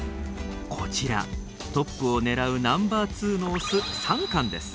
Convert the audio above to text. こちらトップを狙うナンバー２のオスサンカンです。